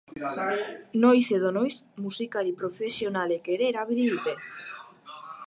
Noiz edo noiz, musikari profesionalek ere erabili dute.